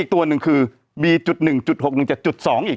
อีกตัวหนึ่งคือบีจุดหนึ่งจุดหกหนึ่งเจ็ดจุดสองอีก